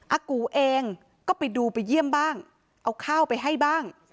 อากูเองก็ไปดูไปเยี่ยมบ้างเอาข้าวไปให้บ้าง